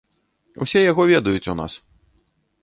Усе яго ведаюць у нас.